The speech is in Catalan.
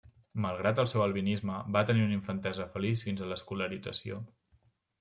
Malgrat el seu albinisme, va tenir una infantesa feliç fins a l'escolarització.